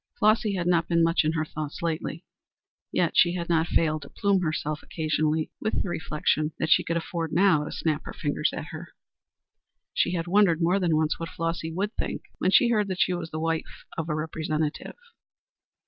Flossy had not been much in her thoughts lately, yet she had not failed to plume herself occasionally with the reflection that she could afford now to snap her fingers at her. She had wondered more than once what Flossy would think when she heard that she was the wife of a Representative.